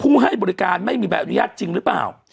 ให้บริการไม่มีใบอนุญาตจริงหรือเปล่า